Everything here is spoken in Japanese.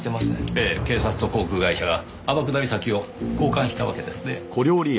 ええ警察と航空会社が天下り先を交換したわけですねぇ。